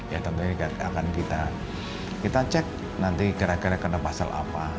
ya tentunya akan kita cek nanti kira kira kena pasal apa